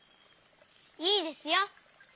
いいですよ。